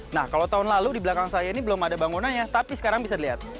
nah kalau tahun lalu di belakang saya ini belum ada bangunannya tapi sekarang bisa dilihat